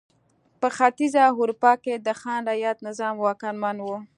په ختیځه اروپا کې د خان رعیت نظام واکمن و.